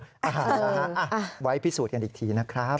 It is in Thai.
นะฮะไว้พิสูจน์กันอีกทีนะครับ